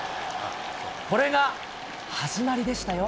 これが始まりでしたよ。